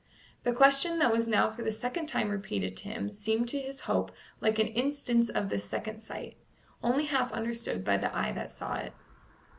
The question that was now for the second time repeated to him seemed to his hope like an instance of this second sight, only half understood by the eye that saw it.